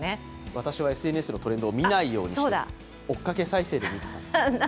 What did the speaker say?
私はＳＮＳのトレンドを見ないようにして追っかけ再生にしていました。